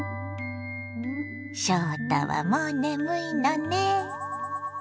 翔太はもう眠いのね。